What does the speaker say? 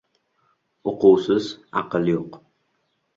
• Uquvsiz aql yo‘q.